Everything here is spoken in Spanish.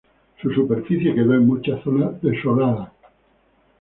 Su superficie quedó en muchas zonas desolada.